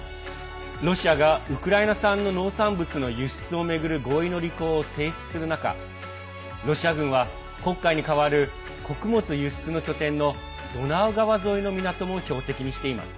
ロシアがウクライナ産の農産物の輸出を巡る合意の履行を停止する中ロシア軍は黒海に代わる穀物輸出の拠点のドナウ川沿いの港も標的にしています。